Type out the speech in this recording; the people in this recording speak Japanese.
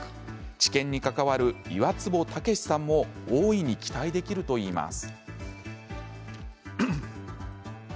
治験に関わる岩坪威さんも大いに期待できるといいます。